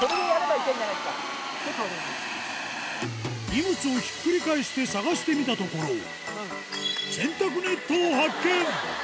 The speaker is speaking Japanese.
荷物をひっくり返して探してみたところ洗濯ネットを発見